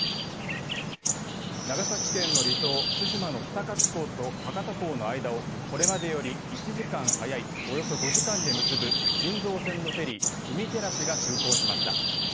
長崎県の離島対馬の比田勝港と博多港の間をこれまでより１時間早いおよそ５時間で結ぶ新造船のフェリーうみてらしが出港しました。